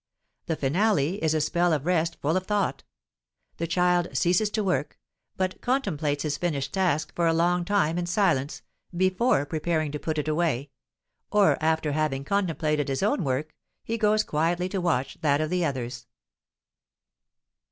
The finale is a spell of rest full of thought; the child ceases to work, but contemplates his finished task for a long time in silence; before preparing to put it away, or, after having contemplated his own work, he goes quietly to watch that of the others.